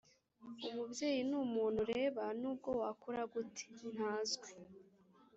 “umubyeyi ni umuntu ureba nubwo wakura gute.” ntazwi